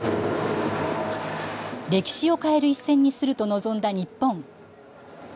歴史を変える一戦にすると臨んだ日本。